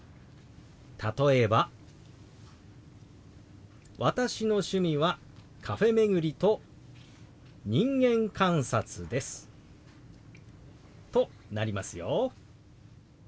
例えば「私の趣味はカフェ巡りと人間観察です」となりますよ。